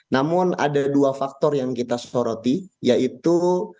namun ada dua faktor yang kita soroti yaitu